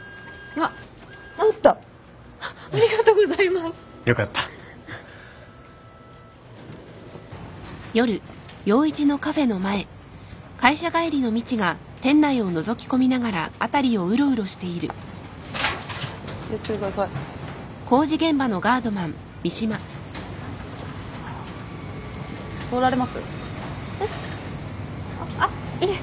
あっいえ。